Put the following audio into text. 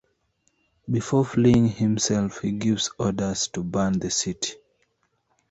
Before fleeing himself, he gives orders to burn the city.